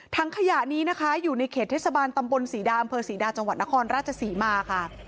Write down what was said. ขยะนี้นะคะอยู่ในเขตเทศบาลตำบลศรีดาอำเภอศรีดาจังหวัดนครราชศรีมาค่ะ